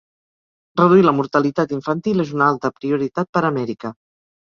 Reduir la mortalitat infantil és una alta prioritat per a Amèrica.